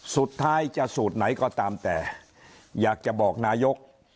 สุดท้ายจะสูตรไหนก็ตามแต่อยากจะบอกนายก